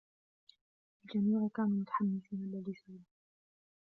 الجميع كانوا متحمسين بالرسالة.